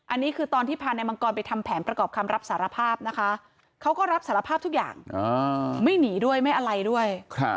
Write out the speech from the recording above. อันนี้คือตอนที่พานายมังกรไปทำแผนประกอบคำรับสารภาพนะคะเขาก็รับสารภาพทุกอย่างไม่หนีด้วยไม่อะไรด้วย